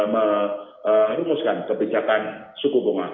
menghubungkan kebijakan suku bonga